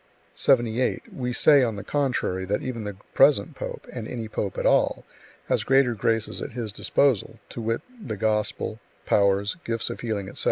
78. We say, on the contrary, that even the present pope, and any pope at all, has greater graces at his disposal; to wit, the Gospel, powers, gifts of healing, etc.